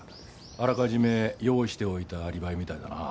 あらかじめ用意しておいたアリバイみたいだな。